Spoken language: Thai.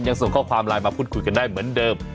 ส่งข้อความไลน์มาพูดคุยกันได้เหมือนเดิม